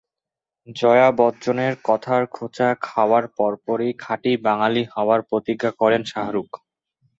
জয়া বচ্চনের কথার খোঁচা খাওয়ার পরপরই খাঁটি বাঙালি হওয়ার প্রতিজ্ঞা করেন শাহরুখ।